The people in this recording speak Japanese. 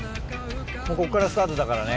もうここからスタートだからね。